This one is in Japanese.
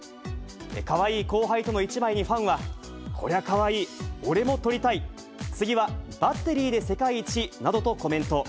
かわいい後輩との一枚に、ファンは、こりゃかわいい、俺も撮りたい、次はバッテリーで世界一などとコメント。